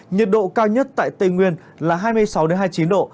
nhiệt độ cao nhất tại tây nguyên là hai mươi sáu hai mươi chín độ